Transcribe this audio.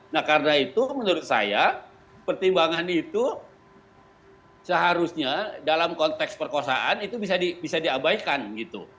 nah karena itu menurut saya pertimbangan itu seharusnya dalam konteks perkosaan itu bisa diabaikan gitu